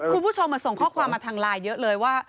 คุณผู้ชมส่งข้อความมาทางไลน์เยอะเลยว่า